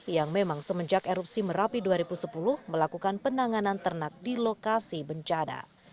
yang memang semenjak erupsi merapi dua ribu sepuluh melakukan penanganan ternak di lokasi bencana